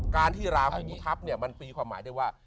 การที่ราหูทัพมันตีความหมายได้ว่า